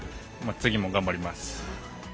次も頑張ります。